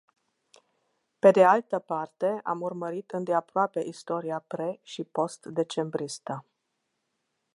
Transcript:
Pe de altă parte, am urmărit îndeaproape istoria pre și postdecembristă.